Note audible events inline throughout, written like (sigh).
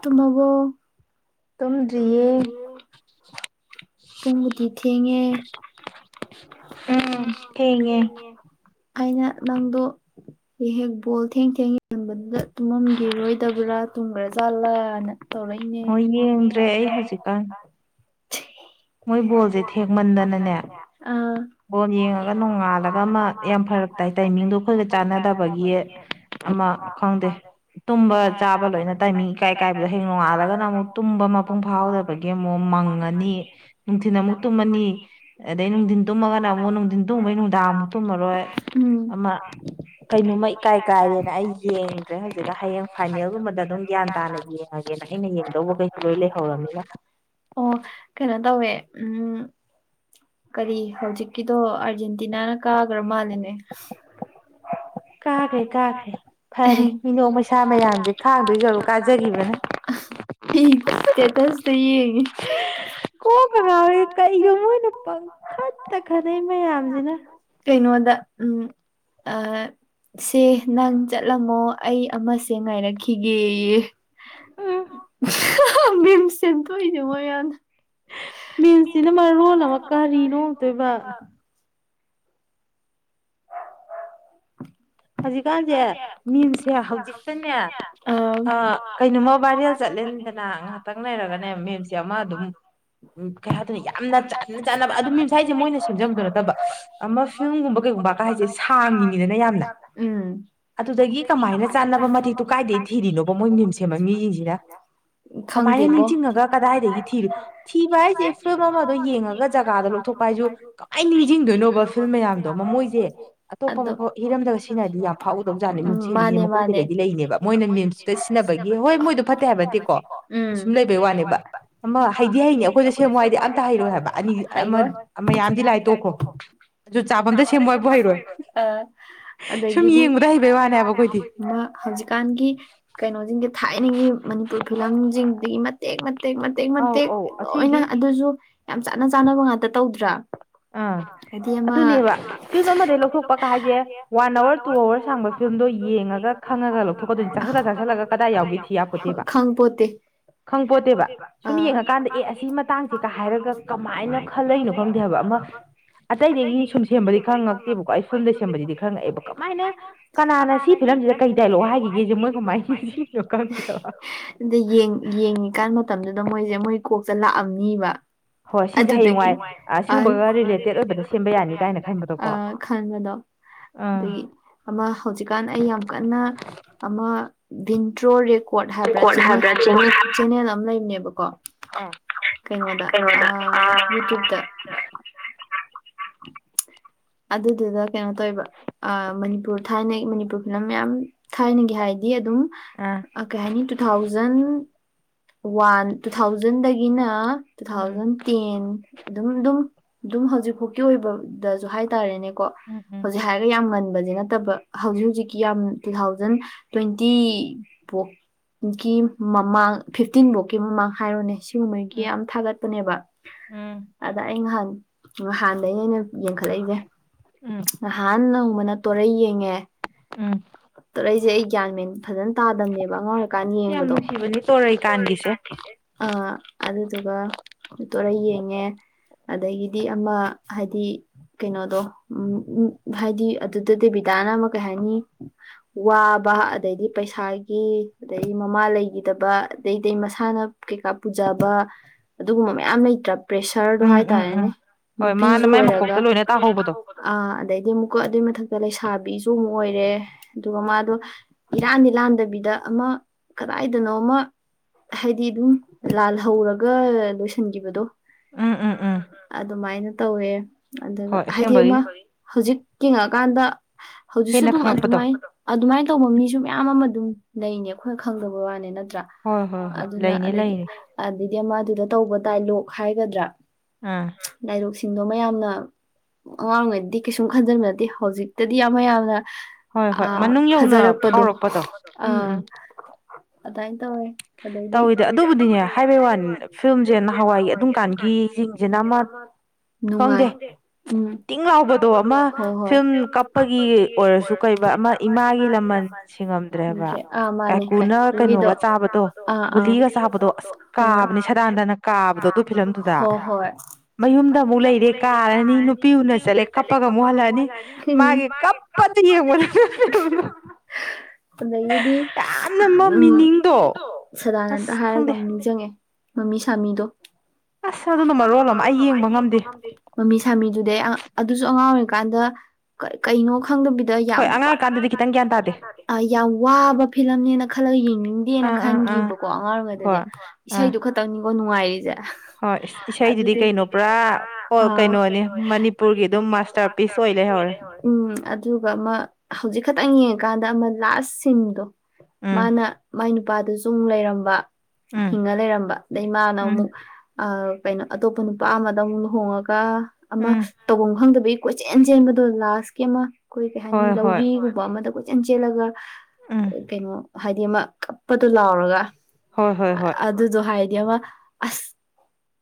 ꯇꯨꯝꯃꯕꯣ ꯇꯨꯝꯗ꯭ꯔꯤꯌꯦ ꯄꯨꯡꯕꯨꯗꯤ ꯊꯦꯡꯉꯦ ꯎꯝ ꯊꯦꯡꯉꯦ ꯑꯩꯅ ꯅꯪꯗꯣ ꯍꯦꯛ ꯍꯦꯛ ꯕꯣꯜ ꯊꯦꯡ ꯊꯦꯡ ꯌꯦꯕꯗꯨꯗ ꯇꯨꯝꯃꯝꯒꯤꯔꯣꯏꯗꯕ꯭ꯔꯥ ꯇꯨꯝꯒ꯭ꯔꯥꯖꯥꯠꯂꯅ ꯇꯧꯔꯛꯏꯅꯦ ꯑ ꯃꯣꯏ ꯕꯣꯜꯁꯦ ꯊꯦꯡꯃꯟꯗꯅꯅꯦ ꯕꯣꯜ ꯌꯦꯡꯉꯒ ꯅꯣꯡꯉꯥꯜꯂꯒ ꯑꯃ ꯌꯥꯝ ꯐꯔꯛ ꯇꯥꯏ ꯇꯥꯏꯃꯤꯡꯗꯣ ꯑꯩꯈꯣꯏꯒ ꯆꯥꯟꯅꯗꯕꯒꯤ ꯑꯃ ꯈꯪꯗꯦ ꯇꯨꯝꯕ ꯆꯥꯕ ꯂꯣꯏꯅ ꯇꯥꯏꯝꯃꯤ ꯏꯀꯥꯏꯀꯥꯏꯕꯗꯣ ꯍꯌꯦ ꯅꯣꯡꯉꯥꯜꯂꯒꯅ ꯑꯃꯨꯛ ꯇꯨꯝꯕ ꯃꯄꯨꯡ ꯐꯥꯍꯧꯗꯕꯒꯤ ꯑꯃꯨꯛ ꯃꯪꯉꯅꯤ ꯅꯨꯡꯊꯤꯜ ꯑꯃꯨꯛ ꯇꯨꯝꯃꯅꯤ ꯝꯅꯥ ꯑꯃꯨꯛ ꯅꯨꯡꯊꯤꯟ ꯇꯨꯝꯃꯨꯕꯩ ꯅꯨꯡꯗꯥꯡꯃꯨꯛ ꯇꯨꯝꯃꯔꯣꯏ ꯑꯃ ꯀꯩꯅꯣꯃ ꯏꯀꯥꯏ ꯀꯥꯏꯔꯦꯅ ꯑꯩ ꯌꯦꯡꯗ꯭ꯔꯦ ꯍꯧꯖꯤꯛꯀꯥꯟ ꯍꯌꯦꯡ ꯐꯥꯏꯅꯦꯜꯒꯨꯝꯕꯗ ꯑꯗꯨꯝ ꯒ꯭ꯌꯥꯟ ꯇꯥꯅ ꯌꯦꯡꯉꯒꯦ ꯑꯩꯅ ꯌꯦꯡꯗꯧꯕꯒꯩ ꯂꯣꯏ ꯂꯩꯍꯧꯔꯕꯅꯤꯅ ꯑꯣ ꯀꯩꯅꯣ ꯇꯧꯋꯦ ꯎꯝ ꯀꯔꯤ ꯍꯧꯖꯤꯛꯀꯤꯗꯣ ꯑꯥꯔꯖꯦꯟꯇꯤꯅꯥꯅ ꯀꯥꯒ꯭ꯔ ꯃꯥꯜꯂꯦꯅꯦ (inaudible) (inaudible) ꯀꯥꯒꯦ ꯀꯥꯒꯦ ꯀ ꯅꯣꯃ ꯆꯥ ꯃ ꯌꯥꯗꯦ ꯀꯥꯗꯣꯏ ꯔꯨ ꯀꯥꯖꯔꯤꯗ ꯏꯁꯇꯦꯇꯁꯇ ꯌꯦꯡꯉꯤ ꯀꯣꯛꯀꯥ ꯉꯑꯣꯋꯦ ꯀꯩꯅꯣ ꯃꯣꯏꯅ ꯄꯪꯈꯠꯇ ꯈꯠꯅꯩ ꯃꯌꯥꯝꯁꯤꯅ (unintelligible) ꯁꯦ ꯅꯪ ꯆꯠꯂꯝꯃꯣ ꯑꯩ ꯑꯃꯁꯦ ꯉꯥꯏꯔꯛꯈꯤꯒꯦꯌꯦ ꯃꯤꯝꯁ ꯁꯦꯝꯇꯣꯛꯏꯅꯦ ꯃꯣꯏ ꯃꯌꯥꯝꯅ ꯃꯤꯝꯁꯤꯅ ꯃꯔꯣꯜ ꯑꯃ ꯀꯔꯤꯅꯣ ꯑꯝꯇꯣꯏꯕ (inaudible) ꯍꯧꯖꯤꯛꯀꯥꯟꯁꯦ ꯃꯤꯝꯁꯦ ꯍꯧꯖꯤꯛꯇꯅꯦ ꯀꯩꯅꯣꯃ ꯚꯥꯏꯔꯦꯜ ꯆꯠꯂꯦ ꯗꯅ ꯉꯍꯥꯛꯇꯪ ꯂꯩꯔꯒꯅꯦ ꯃꯤꯝꯁꯦ ꯑꯃ ꯑꯗꯨꯝ ꯎꯝ ꯀꯩ ꯍꯥꯏꯗꯣꯏꯅꯤ ꯌꯥꯝꯅ ꯆꯅ ꯆꯥꯟꯅꯕ ꯑꯗꯨ ꯃꯤꯝꯁ ꯍꯥꯏꯁꯦ ꯃꯣꯏꯅ ꯁꯦꯝꯖꯕꯗꯣ ꯅꯠꯇꯕ ꯑꯃ ꯐꯤꯂꯝꯒꯨꯝꯕ ꯀꯩ ꯒꯨꯝꯕꯒ ꯍꯥꯏꯁꯦ ꯁꯥꯡꯉꯤꯉꯤꯗꯅ ꯌꯥꯝꯅ ꯎꯝ ꯑꯗꯨꯗꯒꯤ ꯀꯃꯥꯏꯅ ꯆꯥꯅꯕ ꯃꯇꯦꯛꯇꯨ ꯀꯥꯏꯗꯒꯤ ꯊꯤꯔꯤꯅꯣꯕ ꯃꯣꯏ ꯃꯤꯝ ꯁꯦꯝꯕ ꯃꯤꯁꯤꯡꯁꯤꯅ ꯀꯃꯥꯏꯅ ꯅꯤꯡꯁꯤꯡꯉꯒ ꯀꯗꯥꯏꯗꯒꯤ ꯊꯤꯔꯨ ꯊꯤꯕ ꯍꯥꯏꯁꯦ ꯐꯤꯂꯝ ꯑꯃꯗꯣ ꯌꯦꯡꯉꯒ ꯖꯒꯥꯗ ꯂꯧꯊꯣꯛ ꯄꯥꯏꯁꯨ ꯀꯃꯥꯏꯅ ꯅꯤꯡꯁꯤꯡꯗꯣꯏꯅꯣꯕ ꯐꯤꯂꯝ ꯃꯌꯥꯝꯗꯣ ꯃꯃꯣꯏꯁꯦ ꯑꯇꯣꯞꯄ ꯃꯐꯝ ꯍꯤꯔꯝꯗꯒ ꯁꯤꯅꯗꯤ ꯌꯥꯝ ꯐꯥꯎꯗꯧꯖꯥꯠꯅꯦ ꯃꯤꯝꯁꯝ ꯁꯦꯝꯕꯤꯁꯦ ꯃꯀꯣꯛꯇ ꯂꯩꯗꯤ ꯂꯩꯅꯦꯕ ꯃꯣꯏꯅ ꯃꯤꯝꯁꯇ ꯁꯤꯟꯅꯕꯒꯤ ꯍꯣꯏ ꯃꯣꯏꯗꯣ ꯐꯠꯇꯦ ꯍꯥꯏꯕ ꯅꯠꯇꯀꯣ ꯑꯁꯨꯝ ꯂꯩꯕꯩ ꯋꯥꯅꯦꯕ ꯑꯃ ꯍꯩꯗꯤ ꯍꯩꯅꯤ ꯑꯩꯈꯣꯏꯗ ꯁꯦꯝꯃꯨ ꯍꯥꯏꯗꯤ ꯑꯝꯇ ꯍꯩꯔꯣꯏ ꯍꯥꯏꯕ ꯑꯅꯤ (inaudible) ꯑꯗꯒꯤꯗꯤ ꯍꯧꯖꯤꯛꯀꯥꯟꯒꯤ ꯀꯩꯅꯣꯁꯤꯡꯁꯦ ꯊꯥꯏꯅꯒꯤ ꯃꯅꯤꯄꯨꯔ ꯐꯤꯂꯝꯁꯤꯡꯗꯒꯤ ꯃꯇꯦꯛ ꯃꯇꯦꯛ ꯃꯇꯦꯛ ꯃꯇꯦꯛ ꯃꯇꯦꯛ ꯂꯣꯏꯅ ꯑꯗꯨꯁꯨ ꯌꯥꯝ ꯆꯥꯅ ꯆꯥꯅꯕ ꯉꯥꯛꯇ ꯇꯧꯗ꯭ꯔꯥ ꯑꯥ ꯑꯗꯨꯅꯦꯕ ꯐꯤꯂꯝ ꯑꯃꯗꯒꯤ ꯂꯧꯊꯣꯛꯄꯒ ꯍꯥꯏꯁꯦ ꯋꯥꯟ ꯑꯋꯥꯔ ꯇꯨ ꯑꯥꯋꯔ ꯁꯡꯕ ꯐꯤꯂꯝ ꯗꯣ ꯌꯦꯡꯉꯒ ꯈꯪꯉꯒ ꯂꯧꯊꯣꯛꯀꯗꯣꯏꯅꯤ ꯆꯥꯛꯁꯤꯜꯂ ꯆꯥꯛꯁꯤꯜꯂꯒ ꯀꯗꯥꯏ ꯌꯥꯎꯒꯦ ꯊꯤ ꯌꯥꯄꯣꯟꯇꯦꯕꯥ ꯈꯪ ꯄꯣꯠꯇꯦ ꯈꯪ ꯄꯣꯠꯇꯦꯕ ꯁꯨꯝ ꯌꯦꯡꯉꯀꯥꯟꯗ ꯑꯦ ꯑꯁꯤ ꯃꯇꯥꯡꯁꯦ ꯍꯥꯏꯔꯒ ꯀꯃꯥꯏꯅ ꯈꯜꯂꯛꯏꯅꯣ ꯈꯪꯗꯦ ꯍꯥꯏꯕ ꯑꯃ ꯑꯇꯩꯗꯒꯤ ꯁꯨꯝ ꯁꯦꯝꯕꯗꯤ ꯈꯔ ꯉꯛꯇꯦꯕꯀꯣ ꯑꯩ ꯐꯤꯂꯝꯗ ꯁꯦꯝꯕꯗꯤ ꯈꯔ ꯪꯉꯛꯑꯦꯕ ꯀꯃꯥꯏꯅ ꯀꯅꯥꯅ ꯁꯤ ꯐꯤꯂꯝꯁꯤꯗ ꯀꯩ ꯗꯥꯏꯂꯣꯛ ꯍꯥꯏꯈꯤꯒꯦꯁꯦ ꯃꯣꯏ ꯀꯃꯥꯏꯅ ꯅꯤꯡꯁꯤꯡꯢꯅꯣ ꯈꯪꯗꯦꯕ ꯑꯗ ꯌꯦꯡꯉꯤꯀꯥꯟ ꯃꯇꯝꯗꯨꯗ ꯃꯣꯏꯁꯦ ꯃꯣꯏ ꯀꯣꯛꯇ ꯂꯥꯛꯑꯝꯅꯤꯕ ꯑꯗꯨꯗꯒꯤ ꯈꯟꯕꯗꯣ (inaudible) ꯑꯗꯒꯤ ꯑꯃ ꯍꯧꯖꯤꯛꯀꯥꯟ ꯑꯩ ꯌꯥꯝ ꯀꯟꯅ ꯑꯃ ꯚꯟꯇ꯭ꯔꯣ ꯔꯦ ꯀꯣꯔꯠ ꯍꯥꯏꯕ꯭ꯔꯥ ꯆꯦꯅꯦ ꯍꯥꯏꯕ꯭ꯔꯥ ꯆꯦꯟꯅꯜ ꯑꯃ ꯂꯩꯕꯅꯦꯕꯀꯣ (unintelligible) ꯑꯗꯨꯗꯨꯗ ꯀꯩꯅꯣ ꯇꯧꯋꯦꯕ ꯃꯅꯤꯄꯨꯔ ꯊꯥꯏꯅ ꯃꯅꯤꯄꯨꯔ ꯐꯤꯂꯝ ꯃꯌꯥꯝ ꯊꯥꯏꯅꯒꯤ ꯍꯥꯏꯗꯤ ꯑꯗꯨꯝ ꯀꯩꯍꯥꯏꯅꯤ ꯇꯨ ꯊꯥꯎꯖꯟ ꯋꯥꯟ ꯇꯨ ꯊꯥꯎꯖꯟꯗꯒꯤꯅ ꯇꯨ ꯊꯥꯎꯖꯟ ꯇꯦꯟ ꯑꯗꯨꯝ ꯑꯗꯨꯝ ꯑꯗꯨꯝ ꯍꯧꯖꯤꯛꯐꯥꯎꯀꯤ ꯑꯣꯏꯕꯗꯁꯨ ꯍꯥꯏꯇꯥꯔꯦꯅꯦꯀꯣ ꯍꯧꯖꯤꯛ ꯍꯥꯏꯔꯒ ꯌꯥꯝ ꯉꯟ ꯍꯧꯖꯤꯛ ꯅꯠꯇꯕ ꯍꯧꯖꯤꯛ ꯍꯧꯖꯤꯛꯀꯤ ꯌꯥꯝ ꯇꯨ ꯊꯥꯎꯖꯟ ꯇ꯭ꯋꯦꯟꯇꯤꯕꯨꯛ ꯒꯤ ꯃꯃꯥꯡ ꯐꯤꯐꯇꯤꯟꯕꯣꯛꯀꯤ ꯃꯃꯥꯡ ꯍꯥꯏꯔꯣꯅꯦ ꯁꯤꯒꯨꯝꯕꯒꯤ ꯌꯥꯝ ꯊꯥꯒꯠꯄꯅꯦꯕ ꯑꯗ ꯑꯩ ꯉꯍꯥꯟ ꯉꯍꯥꯟꯗꯩꯅꯦ ꯑꯩꯅ ꯌꯦꯡꯈꯠꯂꯛꯏꯁꯦ ꯅꯍꯥꯟ ꯅꯣꯡꯃꯅ ꯇꯣꯔꯩ ꯌꯦꯡꯉꯦ ꯇꯣꯔꯩꯁꯦ ꯑꯩ ꯒ꯭ꯌꯥꯟ ꯃꯦꯟ ꯐꯖꯟ ꯇꯥꯗꯝꯅꯦꯕ ꯑꯉꯥꯡ ꯑꯣꯏꯔꯤꯀꯥꯟ ꯌꯦꯡꯕꯗꯣ (unintelligible) ꯑ ꯑꯗꯨꯗꯨꯒ ꯇꯣꯔꯩ ꯌꯦꯡꯉꯦ ꯑꯗꯒꯤꯗꯤ ꯑꯃ ꯍꯥꯏꯗꯤ ꯀꯩꯅꯣꯗꯣ ꯎꯝ ꯍꯥꯏꯗꯤ ꯑꯗꯨꯗ ꯗꯦꯕꯤꯇꯥꯅ ꯑꯃ ꯀꯩ ꯍꯥꯏꯅꯤ ꯋꯥ ꯕ ꯑꯗꯩꯗꯤ ꯄꯩꯁꯥꯒꯤ ꯑꯗꯩ ꯃꯃꯥ ꯂꯩꯒꯤ ꯇꯕ ꯑꯗꯩ ꯑꯗꯩ ꯃꯁꯥꯅ ꯀꯩꯀꯥ ꯄꯨꯖꯕ ꯑꯗꯨꯒꯨꯝꯕ ꯃꯌꯥꯝ ꯂꯩꯇ꯭ꯔ ꯄ꯭ꯔꯦꯁꯔꯗꯣ ꯍꯥꯏꯇꯥꯔꯦꯅꯦ ꯅꯨꯄꯤꯁꯨ ꯑꯣꯏꯔꯒ ꯑꯥ ꯑꯗꯩꯗꯤ ꯑꯃꯨꯛꯀ ꯑꯗꯨꯏ ꯃꯊꯛꯇ ꯂꯩꯁꯥ ꯕꯤꯁꯨ ꯑꯃꯨꯛ ꯑꯣꯏꯔꯦ ꯑꯗꯨꯒ ꯃꯥꯗꯣ ꯏꯔꯥꯟꯗꯤ ꯂꯥꯟꯗꯕꯤꯗ ꯑꯃ ꯀꯗꯥꯏ ꯗꯅꯣꯝꯃ ꯍꯥꯏꯗꯤ ꯑꯗꯨꯝ ꯂꯥꯜ ꯍꯧꯔꯒ ꯂꯣꯏꯁꯤꯟꯈꯤꯕꯗꯣ ꯎꯝ ꯎꯝ ꯑꯗꯨꯃꯥꯏꯅ ꯇꯧꯋꯦ ꯑꯗꯨꯒ ꯍꯥꯏꯗꯤ ꯑꯃ ꯍꯧꯖꯤꯛ ꯌꯦꯡꯉꯛꯀꯥꯟꯗ ꯍꯧꯖꯤꯛꯁꯨ ꯑꯗꯨꯝ ꯑꯗꯨꯃꯥꯏ ꯑꯗꯨꯃꯥꯏ ꯇꯧꯕ ꯃꯤꯁꯨ ꯃꯌꯥꯝ ꯑꯃ ꯑꯗꯨꯝ ꯂꯩꯅꯦꯕ ꯈꯣꯏ ꯈꯪꯗꯕ ꯋꯥꯅꯤ ꯅꯠꯇ꯭ꯔꯥ ꯑꯗꯨꯅ ꯑꯗꯒꯤ ꯑꯗꯩꯗꯤ ꯑꯃꯗꯨꯗ ꯇꯧꯕ ꯗꯥꯏꯂꯣꯛ ꯈꯥꯏꯒꯗ꯭ꯔꯥ ꯑꯥ ꯇꯤꯡꯗꯣ ꯃꯌꯥꯝꯅ ꯑꯉꯥꯡꯉꯩꯗꯤ ꯀꯩꯁꯨꯝ ꯈꯟꯖꯟꯕ ꯅꯠꯇꯦ ꯍꯧꯖꯤꯛꯇꯗꯤ ꯌꯥꯝ ꯃꯌꯥꯝꯅ ꯑ ꯐꯖꯔꯛꯄꯗꯣ ꯑ ꯗꯥꯏ ꯇꯧꯋꯦ ꯑꯗꯩꯗꯤ ꯇꯧꯋꯤꯁꯦ ꯑꯗꯨꯕꯨꯗꯤꯅꯦ ꯍꯥꯏꯕꯩ ꯋꯥꯅꯦꯕ ꯐꯤꯂꯝꯁꯦ ꯅꯍꯥꯟꯋꯥꯏꯒꯤ ꯑꯗꯨꯝ ꯀꯥꯟꯒꯤ ꯖꯤꯅꯃ ꯅꯨꯡꯉꯥꯏ ꯈꯪꯗꯦ ꯎꯝ ꯇꯤꯡ ꯂꯥꯎꯕꯗꯣ ꯑꯃ ꯐꯤꯂꯝ ꯀꯞꯄꯒꯤ ꯑꯣꯏꯔꯁꯨ ꯑꯣꯏꯕ ꯑꯃ ꯏꯃꯥꯒꯤ ꯂꯃꯟ ꯁꯤꯡꯉꯝꯗ꯭ꯔꯦ ꯑꯥ ꯃꯥꯅꯦ ꯀꯥꯏꯀꯨꯒꯤꯗꯣ ꯗꯣ ꯒꯨꯂꯤꯒ ꯆꯥꯕꯗꯣ ꯑꯁ ꯀꯥꯕꯅꯦ ꯁꯥꯗꯥꯟꯗꯅ ꯀꯥꯕꯗꯣ ꯑꯗꯨ ꯐꯤꯂꯝꯗꯨꯗ ꯃꯌꯨꯝꯗ ꯑꯃꯨꯛ ꯂꯩꯔꯦ ꯀꯥꯔꯅꯤ ꯅꯨꯄꯤ ꯎꯅ ꯆꯠꯂꯦ ꯀꯞꯄꯒ ꯑꯃꯨꯛ ꯍꯜꯂꯛꯑꯅꯤ ꯃꯥꯒꯤ ꯀꯞꯄ ꯗ ꯌꯦꯡꯕꯗ (unintelligible) ꯑꯗꯒꯤꯗꯤ ꯁꯗꯥꯅꯟꯗ ꯍꯥꯏꯔꯒ ꯑꯃꯨꯛ ꯅꯤꯡꯁꯪꯉꯦ ꯃꯃꯤ ꯁꯥꯃꯤꯗꯣ ꯑꯁ ꯑꯗꯨꯅ ꯃꯔꯣꯜ ꯑꯃ ꯑꯩ ꯌꯦꯡꯕ ꯉꯝꯗꯦ ꯃꯃꯤ ꯁꯥꯃꯤꯗꯨꯗꯤ ꯑꯩ ꯑꯗꯨꯁꯨ ꯑꯉꯥꯡ ꯑꯣꯏ ꯀꯥꯟꯗ ꯀ ꯀꯩꯅꯣ ꯈꯪꯗꯕꯤꯗ ꯌꯥꯝ (unintelligible) ꯈꯤꯇꯪ ꯒ꯭ꯌꯥꯟ ꯇꯥꯗꯦ ꯌꯥꯝ ꯋꯥꯕ ꯐꯤꯂꯝꯅꯦꯅ ꯈꯜꯂꯒ ꯌꯦꯡꯅꯤꯡꯗꯦꯅ ꯈꯟꯒꯤꯕꯀꯣ ꯑꯉꯥꯡ ꯑꯣꯏꯔꯤꯉꯩꯗꯗꯤ ꯏꯁꯩꯗꯨ ꯈꯛꯇꯪꯅꯤꯀꯣ ꯅꯨꯡꯉꯥꯏꯔꯤꯁꯦ ꯍꯣꯏ ꯏꯁꯩꯗꯨꯗꯤ ꯀꯩꯅꯣ ꯄꯨꯔꯥ ꯄ ꯀꯩꯅꯣꯅꯦ ꯃꯅꯤꯄꯨꯔꯒꯤ ꯑꯗꯨꯝ ꯃꯥꯁꯇꯔ ꯄꯤꯁ (unintelligible) ꯎꯝ ꯑꯗꯨꯒ ꯑꯃ ꯍꯧꯖꯤꯛ ꯈꯛꯇꯪ ꯌꯦꯡꯉꯀꯥꯟ ꯑꯃ ꯂꯥꯁ ꯁꯤꯟꯗꯣ ꯃꯥꯅ ꯃꯥꯏ ꯅꯨꯄꯥꯗꯨꯁꯨ ꯃꯨꯛ ꯂꯩꯔꯝꯕ ꯍꯤꯡꯉ ꯂꯩꯔꯝꯕ ꯗꯩ ꯃꯥꯅ ꯑꯃꯨꯛ ꯑ ꯀꯩꯅꯣ ꯑꯇꯣꯞꯄ ꯅꯨꯄꯥ ꯑꯃꯗ ꯑꯃꯨꯛ ꯂꯨꯍꯣꯡꯉꯒ ꯑꯃ ꯇꯧꯐꯝ ꯈꯪꯗꯕꯩ ꯀꯣꯏꯆꯦꯟ ꯆꯦꯟꯕꯗꯣ ꯂꯥꯁꯀꯤ ꯑꯃ ꯑꯩꯈꯣꯏ ꯀꯩ ꯍꯥꯏꯅꯤ ꯂꯧꯔꯤꯒꯨꯝꯕ ꯑꯃꯗ ꯀꯣꯏꯆꯦꯜ ꯆꯦꯜꯂꯒ ꯀꯩꯅꯣ ꯍꯥꯏꯗꯤ ꯑꯃ ꯀꯞꯄꯗꯣ ꯂꯥꯎꯔꯒ ꯑꯗꯨꯗꯣ ꯍꯥꯏ ꯗꯤ ꯑꯃ ꯑꯁ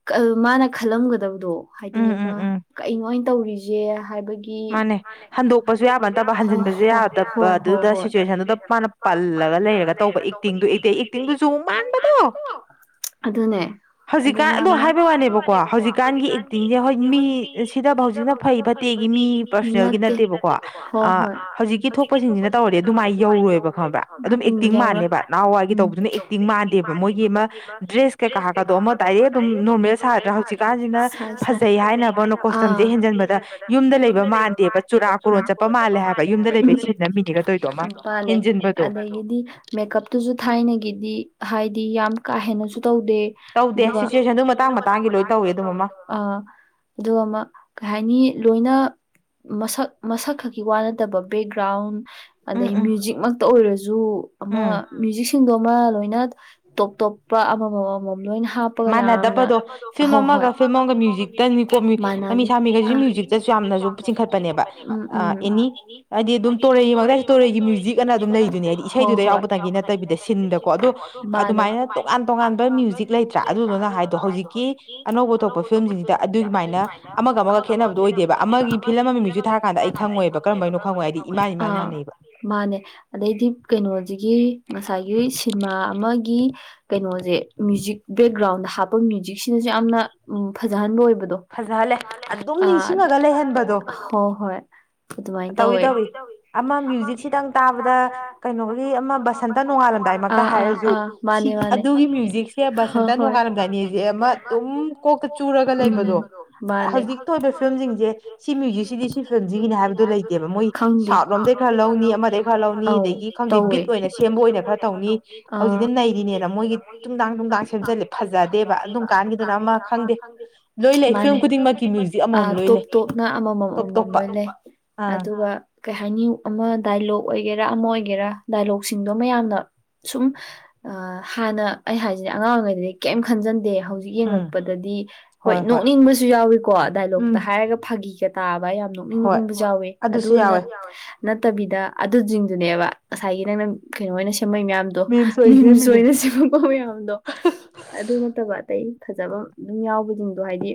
ꯀꯜ ꯃꯥꯅ ꯈꯜꯂꯝꯒꯗꯕꯗꯣ ꯍꯥꯏꯗꯤ ꯑꯃ ꯀꯩꯅꯣ ꯑꯩ ꯇꯧꯔꯤꯁꯦ ꯍꯥꯏꯕꯩ ꯒꯤ ꯃꯥꯅꯦ ꯍꯟꯗꯣꯛꯄꯁꯨ ꯌꯥꯕ (unintelligible) ꯄꯜꯂꯒ ꯂꯩꯔꯒ ꯇꯧꯕ ꯑꯦꯛꯇꯤꯡꯗꯨ ꯑꯦꯛꯇ ꯑꯦꯛꯇꯤꯡꯗꯨ ꯃꯥꯟꯕꯗꯣ ꯑꯗꯨꯅꯦ ꯍꯧꯖꯤꯛꯀꯥꯟ ꯑꯗꯣ ꯍꯥꯏꯕꯩꯋꯥꯅꯦꯕꯀꯣ ꯍꯧꯖꯤꯛꯀꯥꯟꯒꯤ ꯑꯦꯛꯇꯤꯡꯁꯦ ꯍꯣꯏ ꯃꯤ ꯁꯤꯗꯕ ꯍꯧꯖꯤꯛꯅ ꯐꯩ ꯐꯠꯇꯦ ꯒꯤ ꯃꯤ ꯄꯔꯁ꯭ꯅꯦꯜꯒꯤ ꯅꯠꯇꯦꯕꯀꯣ ꯑ ꯍꯧꯖꯤꯛꯀꯤ ꯊꯣꯛꯄꯖꯤꯡꯖꯤꯅ ꯇꯧꯔꯗꯤ ꯑꯗꯨꯃꯥꯏ ꯌꯧꯔꯣꯏꯕ ꯈꯪꯉꯕꯥ ꯑꯗꯨꯝ ꯑꯦꯛꯇꯤꯡ ꯃꯥꯟꯅꯦꯕ ꯅꯍꯥꯋꯥꯏꯒꯤ ꯇꯧꯕꯗꯨꯅ ꯑꯦꯛꯇꯤꯡ ꯃꯥꯟꯗꯦꯕ ꯃꯣꯏꯒꯤ ꯑꯃ ꯗ꯭ꯔꯦꯁ ꯀꯩꯀꯥꯒꯗꯣ ꯑꯃ ꯗꯥꯏꯔꯦꯛ ꯇꯣ ꯗꯨꯝ ꯅꯣꯔꯃꯦꯜ ꯁꯥꯗ꯭ꯔꯥ ꯍꯧꯖꯤꯛꯀꯥꯟꯖꯤꯅ ꯐꯖꯩ ꯍꯥꯏꯅꯕꯅ ꯀꯣꯁꯇꯝꯖꯦ ꯍꯦꯟꯖꯟꯕꯗ ꯌꯨꯝꯗ ꯂꯩꯕ ꯃꯥꯟꯗꯦꯕ ꯆꯨꯔꯥ ꯀꯨꯔꯣꯟ ꯆꯠꯄ ꯃꯥꯜꯂꯦ ꯍꯥꯏꯕ ꯌꯨꯝꯗ ꯂꯩꯕ ꯁꯤꯟ ꯅꯝꯃꯤꯅꯦꯒ ꯇꯧꯢꯗꯣ ꯑꯃ ꯍꯦꯟꯖꯤꯟꯕꯗꯣ ꯑꯗꯒꯤꯗꯤ ꯃꯦꯀꯞꯇꯨꯖꯨ ꯊꯥꯏꯅꯒꯤꯗꯤ ꯍꯥꯢ ꯌꯥꯝ ꯀꯥ ꯍꯦꯟꯅꯁꯨ ꯇꯧꯗꯦ ꯑꯗꯨꯒ (unintelligible) ꯑ ꯗꯨꯒ ꯑꯃ ꯀꯩ ꯍꯥꯏꯅꯤ ꯂꯣꯏꯅ ꯃꯁꯛ ꯃꯁꯛ ꯈꯛꯀꯤ ꯋꯥ ꯅꯠꯇꯕ ꯕꯦꯛꯒ꯭ꯔꯥꯎꯟ ꯑꯗꯩ ꯃ꯭ꯌꯨꯖꯤꯛꯃꯛ ꯇ ꯑꯣꯏꯔꯖꯨ ꯑꯃ ꯃ꯭ꯌꯨꯖꯤꯛꯁꯤꯡꯗꯣ ꯑꯃ ꯂꯣꯏꯅ ꯇꯣꯞ ꯇꯣꯞꯄ ꯑꯃꯃꯝ ꯑꯃꯃꯝ ꯂꯣꯏꯅ ꯍꯥꯞꯄꯒ ꯌꯥꯝꯅ (unintelligible) ꯍꯣꯏ ꯍꯣꯏ (unintelligible) ꯀꯣ ꯃꯤ ꯃꯥꯃꯤ ꯁꯥꯃꯤꯒꯖꯤꯖꯨ ꯃ꯭ꯌꯨꯖꯤꯛꯇꯁꯨ ꯌꯥꯝꯅꯖꯨ ꯆꯤꯡꯈꯠꯄꯅꯦꯕ ꯑ ꯑꯦꯅꯤ ꯑꯗꯤ ꯑꯗꯨꯝ ꯇꯣꯔꯩ ꯃꯛꯇꯁꯨ ꯇꯣꯔꯩꯒꯤ ꯃ꯭ꯌꯨꯖꯤꯛ ꯑꯅ ꯑꯗꯨꯝ ꯂꯩꯗꯨꯅꯤ ꯑꯗꯤ ꯏꯁꯩꯗꯨꯗ ꯌꯥꯎꯕꯇꯪꯒꯤ ꯅꯠꯇꯕꯤꯗ ꯁꯤꯟꯗꯀꯣ ꯑꯗꯨ ꯑꯗꯨꯃꯥꯏꯅ ꯇꯣꯉꯥꯟ ꯇꯣꯉꯥꯟꯕ ꯃ꯭ꯌꯨꯖꯤꯛ ꯂꯩꯇ꯭ꯔꯥ ꯑꯗꯨꯗꯨꯅ ꯍꯥꯏꯗꯣ ꯍꯧꯖꯤꯛꯀꯤ ꯑꯅꯧꯕ ꯊꯣꯛꯄ ꯐꯤꯂꯝꯖꯤꯡꯖꯤꯗ ꯑ ꯗꯨꯃꯥꯏꯅ ꯑꯃꯒ ꯑꯃꯒ ꯈꯦꯠꯅꯕꯗꯣ ꯑꯣꯏꯗꯦꯕ ꯑꯃꯒꯤ ꯐꯤꯂꯝ ꯑꯃ ꯃ꯭ꯌꯨꯖꯤꯛ ꯊꯥꯔꯀꯥꯟꯗ ꯑꯩ ꯈꯪꯉꯣꯏꯕ ꯀꯔꯝꯕꯩꯅꯣ ꯈꯪꯉꯣꯏ ꯍꯥꯏꯗꯤ ꯢ ꯑꯥ ꯃꯥꯅꯦ ꯑꯗꯩꯗꯤ ꯀꯩꯅꯣꯖꯤꯒꯤ ꯉꯁꯥꯏꯒꯤ ꯁꯤꯟꯃꯥ ꯑꯃ ꯒꯤ ꯀꯩꯅꯣꯖꯦ ꯃ꯭ꯌꯨꯖꯤꯛ ꯕꯦꯛꯒ꯭ꯔꯥꯎꯟꯗ ꯍꯥꯞꯄ ꯃ꯭ꯌꯨꯖꯤꯛꯁꯤꯅꯖꯨ ꯌꯥꯝꯅ ꯎꯝ ꯐꯖꯍꯟꯕ ꯑꯣꯏꯕ ꯕꯗꯣ (unintelligible) ꯑꯥ (unintelligible) ꯍꯣꯏ ꯍꯣꯏ ꯑꯗꯨꯃꯥꯏꯟ ꯇꯧꯋꯦ ꯇꯧꯋꯤ ꯇꯧꯋꯤ ꯑꯃ ꯃ꯭ꯌꯨꯖꯤꯛꯀꯤꯗ ꯥꯇꯥꯕꯗ ꯀꯩꯅꯣꯒꯤ ꯑꯃ ꯕꯁꯟꯇ ꯅꯣꯉꯥꯜꯂꯝꯗꯥꯢ ꯑ ꯑꯥ ꯑꯥ ꯃꯥꯅꯦ ꯃꯥꯅꯦ ꯑꯗꯨꯒꯤ ꯃ꯭ꯌꯨꯖꯤꯛ ꯕꯁꯟꯇ ꯅꯣꯡꯉꯥꯜꯂꯝꯗꯥꯏꯅꯦꯖꯦ ꯑꯃ ꯗꯨꯝ ꯀꯣꯛꯇ ꯆꯨꯔꯒ ꯂꯩꯕꯗꯣ ꯍꯧꯖꯤꯛꯇ ꯑꯣꯢꯕ ꯐꯤꯂꯝ ꯖꯤꯡꯖꯦ ꯁꯤ ꯃ꯭ꯌꯨꯖꯤꯛꯁꯤꯗꯤ ꯁꯤ ꯐꯤꯂꯝꯖꯤꯒꯤꯅꯤ ꯍꯥꯏꯕꯗꯣ ꯂꯩꯇꯦꯕ ꯃꯣꯏ ꯁꯥꯎꯠ ꯂꯣꯝꯗꯩ ꯈꯔ ꯂꯧꯅꯤ ꯑꯃꯗꯩ ꯈꯔ ꯂꯧ ꯅꯤ ꯑꯗꯒꯤ ꯈꯪꯗꯦ ꯕꯤꯠ ꯑꯣꯏꯅ ꯁꯦꯝꯕ ꯑꯣꯏꯅ ꯈꯔ ꯇꯧꯅꯤ ꯍꯧꯖꯤꯛꯇꯤ ꯅꯩꯔꯤꯅꯦꯅ ꯃꯣꯏꯒꯤ ꯇꯨꯡꯗꯥꯡ ꯅꯨꯡꯗꯥꯡ ꯁꯦꯝꯖꯤꯜꯂꯦ ꯐꯖꯗꯦꯕ ꯑꯗꯨꯝꯀꯥꯟꯒꯤꯗꯨꯅ ꯑꯃ ꯈꯪꯗꯦ ꯃꯥꯅꯦ ꯑ ꯇꯣꯞ ꯇꯣꯞꯅ ꯑꯃꯃꯝ ꯑꯃꯃꯝ ꯂꯣꯏ ꯂꯩ ꯑꯗꯨꯒ ꯀꯩ ꯍꯥꯏꯅꯤ ꯑꯃ ꯗꯥꯏꯜ ꯑꯣꯏꯒꯦꯔꯥ ꯑꯃ ꯑꯣꯏꯒꯦꯔꯥ ꯗꯥꯏꯂꯣꯛꯁꯤꯡꯗꯣ ꯃꯌꯥꯝꯅ ꯁꯨꯝ ꯑ ꯍꯥꯟꯅ ꯑꯩ ꯍꯥꯏꯖꯦ ꯑꯉꯥꯡꯒꯖꯦ ꯀ꯭ꯌꯝ ꯈꯟꯖꯟꯗꯦ ꯍꯧꯖꯤꯛ ꯌꯦꯡꯉꯛꯄꯗꯗꯤ ꯍꯣꯏ ꯅꯣꯛꯅꯤꯡꯕꯁꯨ ꯌꯥꯎꯋꯀꯣ ꯗꯥꯏꯂꯣꯛꯇ ꯍꯥꯏꯔꯒ ꯐꯥꯒꯤꯒ ꯇꯥꯕ ꯌꯥꯎ ꯌꯥꯝ ꯅꯣꯛꯅꯤꯡ ꯅꯣꯛꯅꯤꯡꯕꯖꯨ ꯌꯥꯎꯋꯦ ꯑꯗꯨ ꯅꯠ ꯅꯠꯇꯕꯤꯗ ꯑꯗꯨꯖꯤꯡꯗꯨꯅꯦꯕ ꯉꯁꯥꯏꯒꯤ ꯅꯪꯅ ꯀꯩꯅꯣ ꯑꯣꯏꯅ ꯁꯤ ꯁꯦꯝꯃꯩ ꯃꯌꯥꯝꯗꯣ ꯃꯤ ꯃꯤꯁꯍꯣꯏꯅ ꯁꯦꯝꯃꯛꯄ ꯃꯌꯥꯝꯗꯣ ꯑꯗꯨ ꯅꯠꯇꯕ ꯑꯇꯩ ꯐꯖꯕ ꯑꯗꯨꯝ ꯌꯥꯎꯕꯖꯤꯡꯗꯣ ꯍꯥꯏꯗꯤ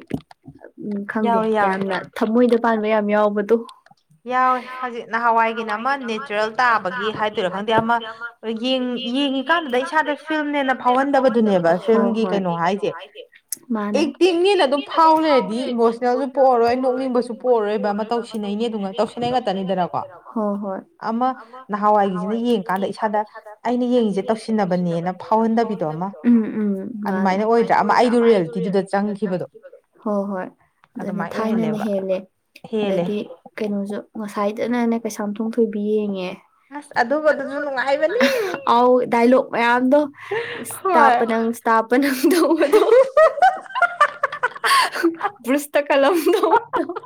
ꯎꯝ ꯈꯪꯗꯦ ꯌꯥꯝꯅ ꯊꯃꯣꯏꯗ ꯄꯥꯟꯕ ꯌꯥꯝ ꯌꯥꯎꯕꯗꯣ ꯌꯥꯎꯋꯦ ꯍꯧꯖꯤꯛ ꯅꯍꯥꯟꯋꯥꯏꯒꯤꯅ ꯑꯃ ꯅꯦꯆꯔꯦꯜ ꯇꯥꯕꯒꯤ ꯍꯥꯏꯗꯣꯏꯔꯥ ꯈꯪꯗꯦ ꯑꯃ ꯌꯦꯡ ꯌꯦꯡꯉꯤꯀꯥꯟꯗꯨꯗ ꯏꯁꯥꯗ ꯐꯤꯂꯝꯅꯦꯅ ꯐꯥꯎꯍꯟ ꯐꯥꯎꯍꯟꯗꯕꯗꯨꯅꯦꯕ ꯍꯣꯍꯣꯢ ꯐꯤꯂꯝꯒꯤ ꯀꯩꯅꯣ ꯍꯥꯏꯖꯦ ꯃꯥꯅꯦ ꯑꯦꯛꯇꯤꯡꯒꯤꯅ ꯑꯗꯨꯝ ꯐꯥꯎ ꯂꯩꯔꯗꯤ ꯆꯦꯜꯖꯨ ꯄꯤꯔꯛꯑꯔꯣꯏ ꯅꯣꯛꯅꯤꯡꯕꯁꯨ ꯄꯣꯛꯑꯔꯣꯏꯕ ꯑꯃ ꯇꯧꯁꯤꯟꯅꯩꯅꯦ ꯑꯗꯨ ꯉꯥ ꯇꯧꯁꯤꯟꯅꯩ ꯉꯥꯛꯇꯅꯤꯗꯅꯀꯣ ꯑꯃ ꯅꯍꯥꯋꯥꯏꯒꯤꯖꯤꯅ ꯌꯦꯡꯀꯥꯟꯗ ꯏꯁꯥꯗ ꯑꯩꯅ ꯌꯦꯡꯉꯤꯖꯦ ꯇꯧꯁꯤꯟꯅꯕꯅꯦꯅ ꯐꯥꯎꯍꯟꯗꯕꯤꯗꯣ ꯎꯝ ꯎꯝ ꯃꯥꯅꯦ ꯑꯗꯨꯃꯥꯏꯅ ꯑꯣꯏꯗ꯭ꯔꯥ ꯑꯃ ꯑꯩꯒꯤ ꯔꯤꯌꯦꯜꯃꯤꯗꯨꯗ ꯆꯪꯈꯤꯕꯗꯣ ꯍꯣꯍꯣꯏ ꯑꯗꯨꯅꯦ ꯊꯥꯏꯅꯅ ꯍꯦꯜꯂꯦ ꯑꯗꯗꯤ ꯀꯩꯅꯣꯖꯨ ꯉꯁꯥꯏꯗꯅꯅꯦ ꯀꯩꯁꯥꯝꯊꯣꯡ ꯊꯣꯏꯕꯤ ꯌꯦꯡꯉꯦ ꯑꯁ ꯑꯗꯨꯝꯕꯗꯨꯖꯨ ꯅꯨꯡꯉꯥꯏꯕꯅꯦ ꯑꯗꯣ ꯁ꯭ꯇꯥꯥꯄꯅꯪ ꯁ꯭ꯇꯥꯥꯄꯅꯪ ꯇꯧꯕꯗꯣ ꯕ꯭ꯨꯔꯁꯇꯥ ꯀꯂꯝ ꯇꯧꯕꯗꯣ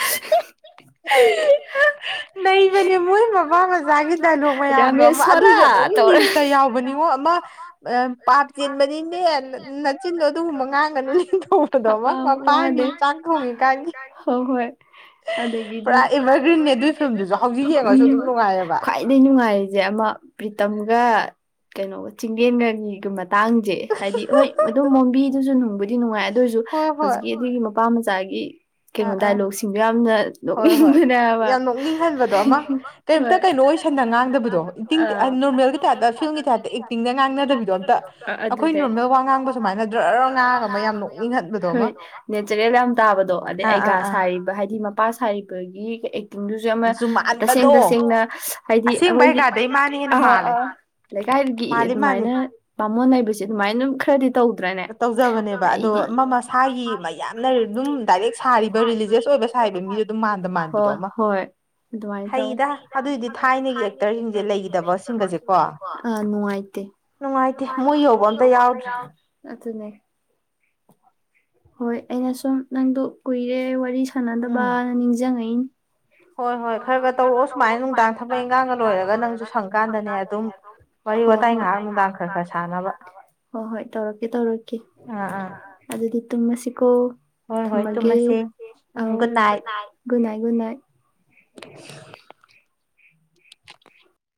(unintelligible) ꯅꯩꯕꯅꯦ ꯃꯣꯏ ꯃꯄꯥ ꯃꯆꯥꯒꯤ ꯗꯥꯏꯂꯣꯛ ꯃꯌꯥꯝꯗꯣ ꯑꯃ ꯑꯗꯨꯁꯨ ꯑꯗꯨꯝ ꯅꯤꯝꯁꯇ ꯌꯥꯎꯕꯅꯤ ꯃꯉꯣ ꯑꯃ ꯄꯥꯞ ꯆꯦꯟꯕꯅꯤꯅꯦ ꯅꯆꯤꯟꯗꯣ ꯑꯗꯨꯒꯨꯝꯕ ꯉꯥꯡꯒꯅꯨ ꯅꯦ ꯇꯧꯕꯗꯣ ꯃꯄꯥꯥꯒꯤ ꯆꯥꯛ ꯊꯣꯡꯉꯤ ꯀꯥꯟꯒꯤ ꯑꯗꯒꯤꯗꯤ ꯄꯨꯔ ꯏꯕꯥꯔꯒ꯭ꯔꯤꯟꯅꯦ ꯑꯗꯨꯏ ꯐꯤꯂꯝꯗꯣ ꯎꯝ ꯈ꯭ꯋꯥꯏꯗꯒꯤ ꯅꯨꯡꯉꯥꯏꯔꯤꯁꯦ ꯑꯃ ꯄ꯭ꯔꯤꯇꯝꯒ ꯀꯩꯅꯣꯒ ꯆꯤꯡꯂꯦꯟꯒꯒꯤꯒꯨꯝꯕ ꯃꯇꯥꯡꯁꯦ ꯍꯥꯏꯗꯤ ꯍꯣꯏ ꯑꯗꯨꯝ ꯃꯣꯝꯕꯤꯗꯨꯁꯨ ꯅꯨꯡꯕꯨꯗꯤ ꯅꯨꯡꯉꯥꯏ ꯑꯗꯨ ꯑꯣꯏꯁꯨ ꯍꯧꯖꯤꯛꯀꯤ ꯑꯗꯨꯒꯤ ꯃꯄꯥ ꯃꯆꯥ ꯆꯥꯒꯤ ꯀꯩꯅꯣ ꯗꯥꯏꯂꯣꯛꯁꯤꯡꯗꯣ ꯌꯥꯝꯅ ꯍꯣꯏ ꯍꯣꯏ ꯌꯥꯝ ꯅꯣꯛꯅꯤꯡꯍꯟꯕꯗꯣ ꯑꯃ ꯀꯔꯤꯝꯇ ꯀꯩꯅꯣ ꯑꯣꯏꯁꯟꯗ ꯉꯥꯡꯗꯕꯗꯣ ꯏꯇꯤꯡ ꯇꯤꯡ ꯅꯣꯔꯃꯦꯜꯒꯤ ꯇꯥꯏꯞꯇ ꯐꯤꯂꯝꯒꯤ ꯇꯥꯏꯞꯇ ꯑꯦꯛꯇꯤꯡꯗ ꯉꯥꯡꯅꯗꯕꯤꯗꯣ ꯑꯝꯇ ꯑꯩꯈꯣꯏ ꯅꯣꯔꯃꯦꯜ ꯋꯥ ꯉꯥꯡꯕ ꯁꯨꯃꯥꯏꯅ ꯗ꯭ꯔ ꯍꯣꯏ ꯅꯦꯆꯔꯦꯜ ꯌꯥꯝ ꯇꯥꯕꯗꯣ ꯑꯗꯩ ꯑꯩ ꯒꯥ ꯁꯥꯔꯤꯕ ꯍꯥꯏꯗꯤ ꯃꯄꯥ ꯁꯥꯔꯤꯕꯒꯤ ꯑꯦꯛ ꯇꯤꯡꯗꯨꯁꯨ ꯑꯃ ꯇꯁꯦꯡ ꯇꯁꯦꯡꯅ ꯍꯥꯏꯗꯤ ꯑꯩꯈꯣꯏꯒꯤ ꯑꯁꯦꯡꯕ ꯑꯩꯒꯥꯗꯩ ꯃꯥꯅꯥ ꯍꯦꯟꯅ ꯑꯥ ꯑꯥ ꯃꯥꯟꯕꯅꯦ ꯂꯩꯀꯥꯏꯒꯤ ꯑꯗꯨꯃꯥꯏꯅ ꯄꯥꯃꯣꯟ ꯍꯥꯏꯩꯕꯁꯦ ꯑꯗꯨꯃꯥꯏꯅ ꯑꯗꯨꯝ ꯈꯔꯗꯤ ꯇꯧꯖꯕꯅꯦꯕ ꯑꯗꯣ ꯃ ꯃꯁꯥꯒꯤ ꯃꯌꯥꯝꯅ ꯑꯗꯨꯝ ꯗꯥꯏꯔꯦꯛ ꯁꯥꯔꯤ ꯔꯤꯂꯤꯖꯤꯁ ꯑꯣꯏꯕ ꯁꯥꯏꯕ ꯃꯤꯁꯨ ꯑꯗꯨꯝ ꯃꯥꯟꯗ ꯃꯥꯟꯕꯤꯗꯣ ꯑꯃ ꯍꯩꯗ ꯑꯗꯨꯏꯗꯤ ꯊꯥꯏꯅꯒꯤ ꯑꯦꯛꯇꯔꯁꯤꯡꯁꯦ ꯂꯩꯒꯤꯗꯕ ꯁꯤꯡꯒꯁꯦꯀꯣ ꯅꯨꯡꯉꯥꯏꯇꯦ ꯃꯣꯏ ꯌꯧꯕ ꯑꯝꯇ ꯌꯥꯎꯗ꯭ꯔꯦ ꯑꯗꯨꯅꯦ ꯍꯣꯏ ꯑꯩꯅ ꯁꯨꯝ ꯅꯪꯗ ꯀꯨꯏꯔꯦ ꯋꯥꯔꯤ ꯁꯥꯟꯅꯗꯕꯅ ꯅꯤꯡꯁꯤꯡꯉꯛꯏꯅꯤ ꯍꯣꯏ ꯍꯣꯏ ꯈꯔꯒ ꯇꯧꯔꯛꯑꯣ ꯁꯨꯃꯥꯏꯅ ꯅꯨꯡꯗꯥꯡ ꯊꯕꯛ ꯏꯪꯈꯥꯡꯒ ꯂꯣꯏꯔꯒ ꯅꯪꯁꯨ ꯁꯪꯀꯥꯟꯗꯅꯦ ꯑꯗꯨꯝ ꯋꯥꯔꯤ ꯋꯥꯇꯥꯏ ꯉꯥꯏꯍꯥꯛ ꯍꯣꯏ ꯍꯣꯏ ꯇꯧꯔꯛꯀꯦ ꯇꯧꯔꯛꯀꯦ ꯑꯥ ꯑꯥ ꯇꯨꯝꯃꯁꯤꯀꯣ ꯊꯝꯃꯒꯦ ꯑ ꯒꯨꯗ ꯅꯥꯏꯠ ꯒꯨꯗ ꯅꯥꯏꯠ (inaudible)